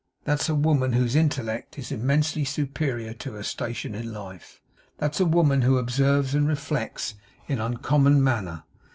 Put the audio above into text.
That's a woman whose intellect is immensely superior to her station in life. That's a woman who observes and reflects in an uncommon manner.